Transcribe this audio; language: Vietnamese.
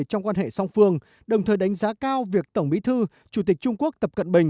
trong quan hệ song phương đồng thời đánh giá cao việc tổng bí thư chủ tịch trung quốc tập cận bình